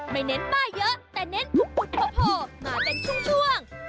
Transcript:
ไม่เน้นบ้ายเยอะแต่เน้นกุกกุดพอมาเป็นชุ่งช่วง